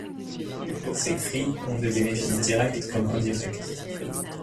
Ces cris ont des bénéfices directs comme indirects.